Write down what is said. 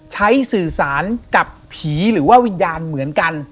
สื่อสารกับผีหรือว่าวิญญาณเหมือนกัน